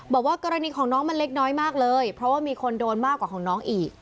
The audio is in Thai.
บอกว่ากรณีของน้องมันเล็กน้อยมากเลยเพราะว่ามีคนโดนมากกว่าของน้องอีก